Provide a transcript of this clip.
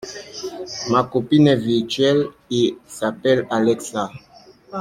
Ma copine est virtuelle et s'appelle Alexa.